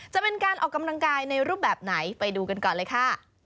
จะเป็นการออกกำลังกายในรูปแบบไหนไปดูกันก่อนเลยค่ะ